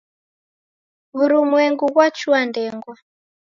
Wurumwengu ghwachua ndengwa